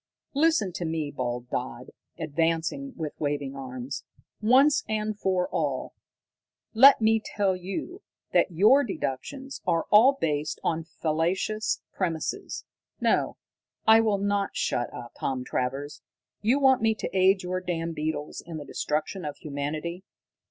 "Listen to me," bawled Dodd, advancing with waving arms. "Once and for all, let me tell you that your deductions are all based upon fallacious premises. No, I will not shut up, Tom Travers! You want me to aid your damned beetles in the destruction of humanity!